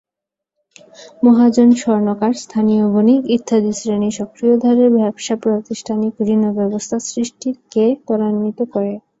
মহাজন, স্বর্ণকার, স্থানীয় বণিক ইত্যাদি শ্রেণির সক্রিয় ধারের ব্যবসা প্রাতিষ্ঠানিক ঋণব্যবস্থা সৃষ্টিকে ত্বরান্বিত করে।